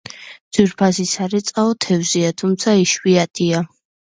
ძვირფასი სარეწაო თევზია, თუმცა იშვიათია.